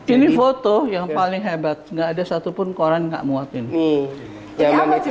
ini foto yang paling hebat nggak ada satupun koran gak muatin